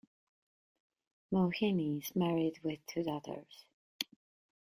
Mawhinney is married with two daughters.